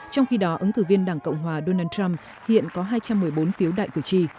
trong khi đó ứng cử viên đảng cộng hòa donald trump hiện có hai trăm một mươi bốn phiếu đại cử tri